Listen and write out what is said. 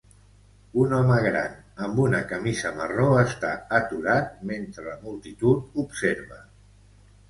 Un home gran amb una camisa marró està aturat mentre la multitud observa.